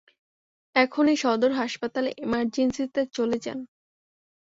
এখনই সদর হাসপাতালে ইমারজেন্সি তে চলে যান।